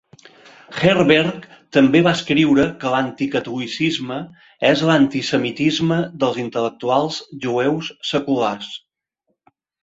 Herberg també va escriure que l'anticatolicisme és l'antisemitisme dels intel·lectuals jueus seculars.